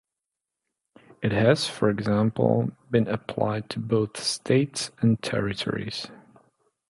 It has, for example, been applied to both states and territories.